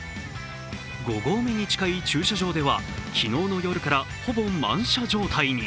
５合目に近い駐車場では昨日の夜からほぼ満車状態に。